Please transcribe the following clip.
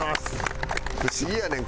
不思議やねん。